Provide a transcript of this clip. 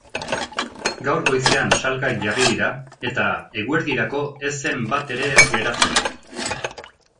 Gaur goizean salgai jarri dira eta eguerdirako ez zen bat ere ez geratzen.